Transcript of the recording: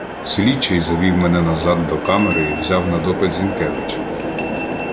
Слідчий завів мене назад до камери і взяв на допит Зінкевича.